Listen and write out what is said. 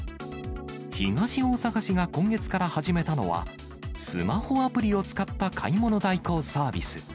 東大阪市が今月から始めたのは、スマホアプリを使った買い物代行サービス。